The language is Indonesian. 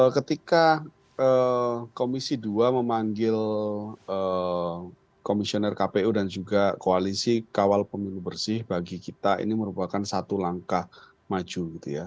ketika komisi dua memanggil komisioner kpu dan juga koalisi kawal pemilu bersih bagi kita ini merupakan satu langkah maju gitu ya